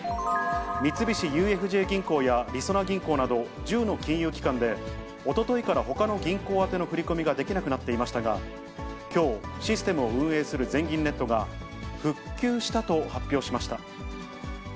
三菱ＵＦＪ銀行やりそな銀行など、１０の金融機関で、おとといからほかの銀行宛ての振り込みができなくなっていましたが、きょう、システムを運営する全銀ネットが、復旧したと発表しました。